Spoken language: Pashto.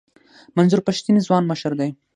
منظور پښتین ځوان مشر دی.